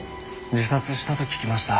自殺したと聞きました。